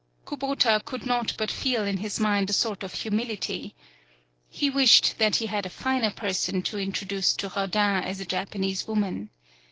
Kubota could not but feel in his mind a sort of humility. He wished that he had a finer person to introduce to Rodin as a Japanese woman.